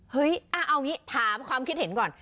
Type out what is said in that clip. เฮ้ยเอางี้ถามความคิดเห็นก่อน